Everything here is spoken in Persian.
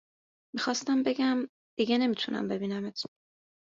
می خواستم بگم دیگه نمی تونم ببینمت